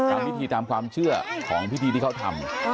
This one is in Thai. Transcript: พิธีตามความเชื่อของพิธีที่เขาทำ